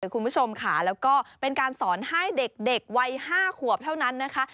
คุณผู้ชมค่ะแล้วก็เป็นการสอนให้เด็กวัย๕ขวบเท่านั้นนะคะ